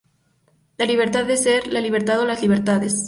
La libertad de ser, ¿la libertad o las libertades?